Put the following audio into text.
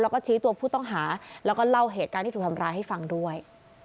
แล้วก็ชี้ตัวผู้ต้องหาแล้วก็เล่าเหตุการณ์ที่ถูกทำร้ายให้ฟังด้วย